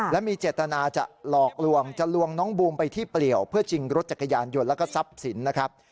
และมีเจตนาจะหลอกลวงจะลวงน้องบูมไปที่เปลี่ยวเพื่อชิงรถจักรยานยนต์แล้วก็ทรัพย์สินนะครับ